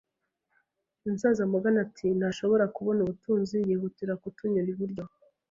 Umusaza Morgan ati: "Ntashobora 'kubona ubutunzi", yihutira kutunyura iburyo,